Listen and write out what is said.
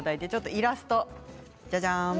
イラスト、じゃじゃーん！